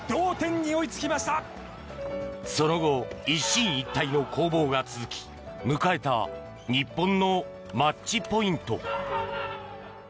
その後、一進一退の攻防が続き迎えた日本のマッチポイント。